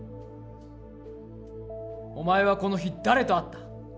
お前はこの日、誰と会った？